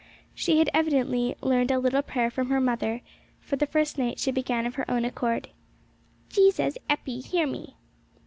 She had evidently learnt a little prayer from her mother, for the first night she began of her own accord 'Jesus, Eppy, hear me.'